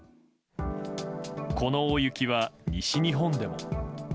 この大雪は西日本でも。